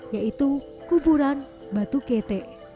yaitu kuburan batu kt